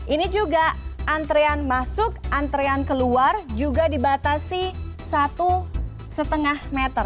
ini juga antrean masuk antrian keluar juga dibatasi satu lima meter